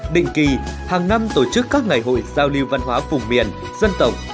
định kỳ hàng năm tổ chức các ngày hội giao lưu văn hóa vùng miền dân tộc